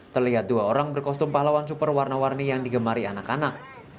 terlihat dua orang berkostum pahlawan super warna warni yang digemari anak anak